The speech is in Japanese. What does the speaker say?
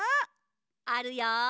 あるよ。